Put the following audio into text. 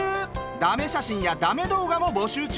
だめ写真やだめ動画も募集中。